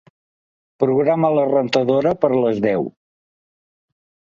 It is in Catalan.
Programa la rentadora per a les deu.